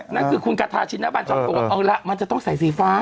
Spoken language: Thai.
นั่นคือคุณกาธาชินพันธุ์เอาละมันจะต้องใส่สีฟ้า